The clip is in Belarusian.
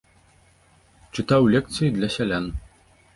Чытаў лекцыі для сялян.